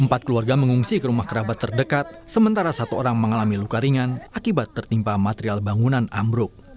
empat keluarga mengungsi ke rumah kerabat terdekat sementara satu orang mengalami luka ringan akibat tertimpa material bangunan ambruk